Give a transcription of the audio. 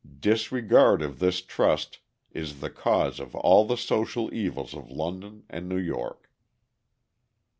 Disregard of this trust is the cause of all the social evils of London and New York."